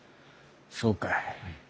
そうかい。